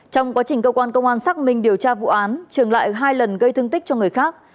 trong quá trình cơ quan công an xác minh điều tra vụ án trường lại hai lần gây thương tích cho người khác